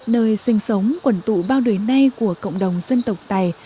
nơi sinh sống quẩn tụ bao đời nay của cộng đồng dân tộc tài